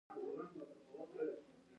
هغه د معنوي استاد رول لري.